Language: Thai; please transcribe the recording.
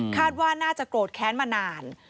คาดว่าน่าจะโกรธแค้นมานาน